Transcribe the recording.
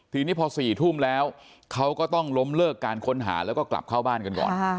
ทีนี้พอ๔ทุ่มแล้วเขาก็ต้องล้มเลิกการค้นหาแล้วก็กลับเข้าบ้านกันก่อน